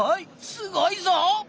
すごいぞ！